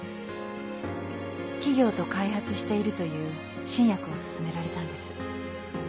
企業と開発しているという新薬を勧められたんです。